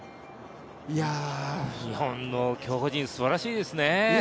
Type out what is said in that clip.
日本の競歩陣、すばらしいですね。